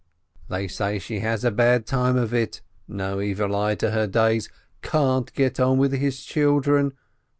They say she has a bad time of it — no evil eye to her days — can't get on with his children.